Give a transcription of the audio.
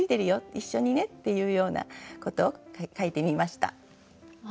一緒にねっていうようなことを描いてみました。